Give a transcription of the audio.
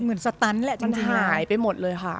เหมือนสตันต์ละจริง